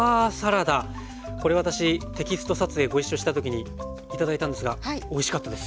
これ私テキスト撮影ご一緒した時に頂いたんですがおいしかったです。